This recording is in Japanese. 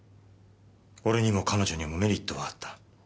俺にも彼女にもメリットはあった。